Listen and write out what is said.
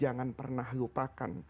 jangan pernah lupakan